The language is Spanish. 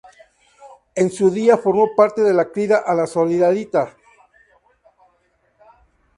En su día formó parte de la "Crida a la Solidaritat".